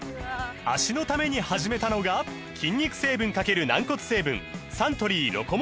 脚のために始めたのが筋肉成分×軟骨成分サントリー「ロコモア」です